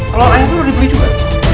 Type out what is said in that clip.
kalau ayam dulu dibeli juga